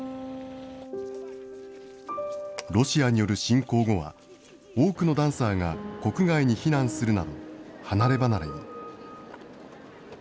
ロシアによる侵攻後は、多くのダンサーが国外に避難するなど、離れ離れに。